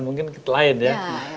mungkin lain ya